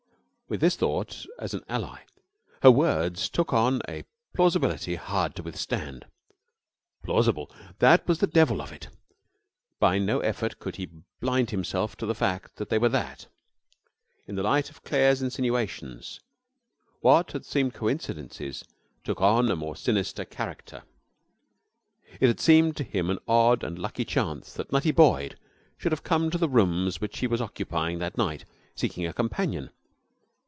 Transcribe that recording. With this thought as an ally her words took on a plausibility hard to withstand. Plausible! That was the devil of it. By no effort could he blind himself to the fact that they were that. In the light of Claire's insinuations what had seemed coincidences took on a more sinister character. It had seemed to him an odd and lucky chance that Nutty Boyd should have come to the rooms which he was occupying that night, seeking a companion.